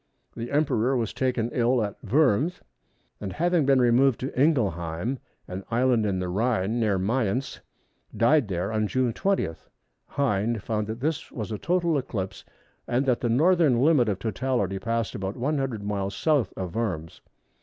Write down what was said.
The Emperor was taken ill at Worms, and having been removed to Ingelheim, an island in the Rhine, near Mayence, died there on June 20. Hind found that this was a total eclipse, and that the northern limit of totality passed about 100 miles south of Worms.